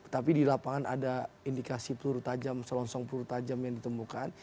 tapi di lapangan ada indikasi peluru tajam selongsong peluru tajam yang ditemukan